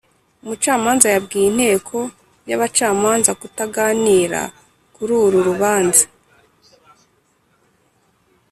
umucamanza yabwiye inteko y'abacamanza kutaganira kuri uru rubanza.